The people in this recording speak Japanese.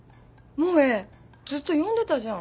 萌ずっと呼んでたじゃん。